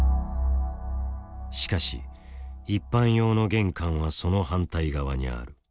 しかし一般用の玄関はその反対側にある。